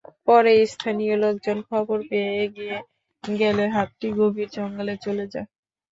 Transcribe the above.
পরে স্থানীয় লোকজন খবর পেয়ে এগিয়ে গেলে হাতিটি গভীর জঙ্গলে চলে যায়।